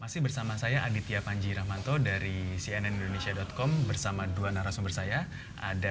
masih bersama saya aditya panji rahmanto dari cnn indonesia com bersama dua narasumber saya ada